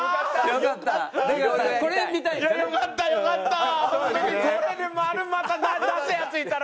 よかったよかった。